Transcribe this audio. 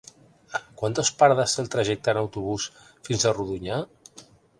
Quantes parades té el trajecte en autobús fins a Rodonyà?